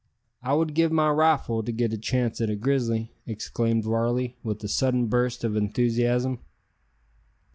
"I would give my rifle to get a chance at a grizzly!" exclaimed Varley, with a sudden burst of enthusiasm.